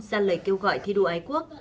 ra lời kêu gọi thi đua ánh quốc